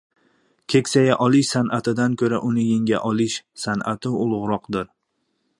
Keksaya olish san’atidan ko‘ra uni yenga olish san’ati ulug‘roqdir.